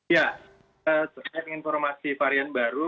ya terkait informasi varian baru